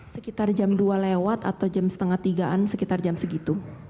sekitar jam dua lewat atau jam setengah tiga an sekitar jam segitu